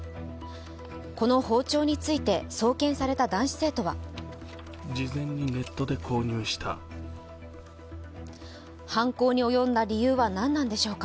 この包丁について、送検された男子生徒は犯行に及んだ理由は何なのでしょうか